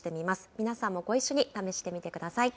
皆さんもご一緒に試してみてください。